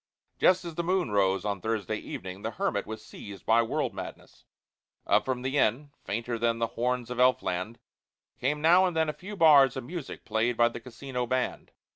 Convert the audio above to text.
Just as the moon rose on Thursday evening the hermit was seized by the world madness. Up from the inn, fainter than the horns of elf land, came now and then a few bars of music played by the casino band.